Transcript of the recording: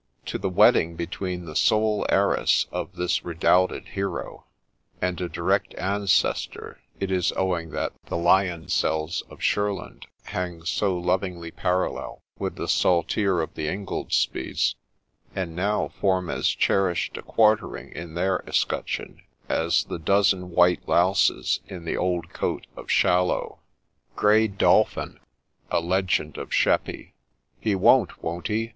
To the wedding between the sole heiress of this redoubted hero and a direct ancestor is it owing that the Lioncels of Shurland hang so lovingly parallel with the Saltire of the Ingoldsbys, and now form as cherished a quartering in their escutcheon as the ' dozen white lowses ' in the ' old coat ' of Shallow. GREY DOBBIN A LEGEND OF SHEPPEY 1 T"f E won't — won't he